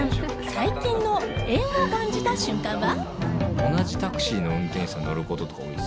最近の縁を感じた瞬間は。